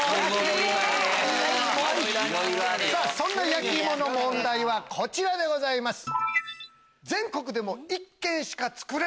焼き芋の問題はこちらでございます。